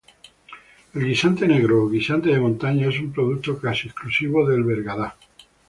El guisante negro o guisante de montaña es un producto casi exclusivo del Bergadá.